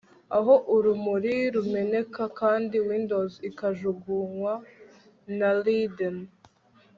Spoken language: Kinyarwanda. aho urumuri rumeneka, kandi windows ikajugunywa na linden